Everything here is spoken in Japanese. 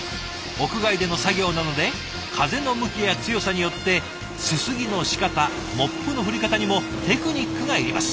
屋外での作業なので風の向きや強さによってすすぎのしかたモップの振り方にもテクニックがいります。